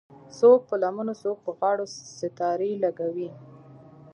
څوک په لمنو څوک په غاړو ستارې لګوي